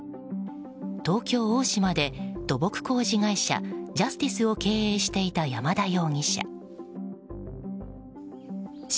東京・大島で土木工事会社ジャスティスを経営していた山田容疑者。